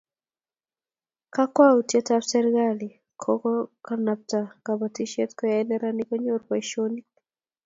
Kakwautietab serkali kokanabta kobotisiet koyoei neranik konyor boisionik